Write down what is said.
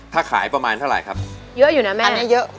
ถ้าขายประมาณเท่าไหร่ครับเยอะอยู่นะแม่อันนี้เยอะ